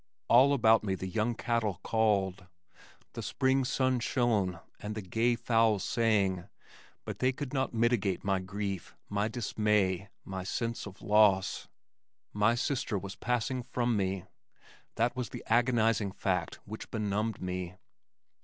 All about me the young cattle called, the spring sun shone and the gay fowls sang, but they could not mitigate my grief, my dismay, my sense of loss. My sister was passing from me that was the agonizing fact which benumbed me.